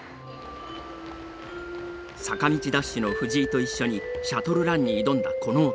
坂道ダッシュの藤井と一緒にシャトルランに挑んだこの男。